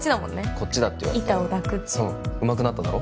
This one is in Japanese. こっちだって言われて板を抱くってうまくなっただろ？